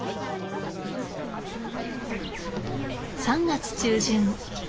３月中旬。